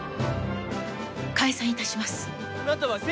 解散致します。